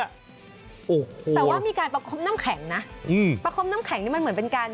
แต่ว่ามีการประคบน้ำแข็งนะประคบน้ำแข็งนี่มันเหมือนเป็นการ